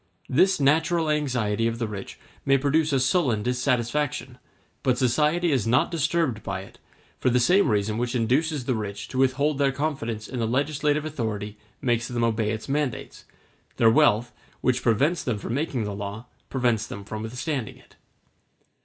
This natural anxiety of the rich may produce a sullen dissatisfaction, but society is not disturbed by it; for the same reason which induces the rich to withhold their confidence in the legislative authority makes them obey its mandates; their wealth, which prevents them from making the law, prevents them from withstanding it.